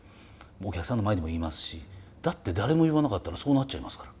お客さんの前でも言いますしだって誰も言わなかったらそうなっちゃいますから。